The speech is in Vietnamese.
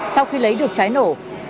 sau khi lấy được trái nổ